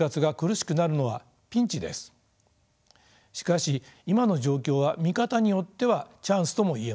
しかし今の状況は見方によってはチャンスともいえます。